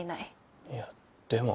いやでも。